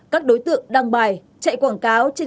các đối tượng đăng bài chạy quảng cáo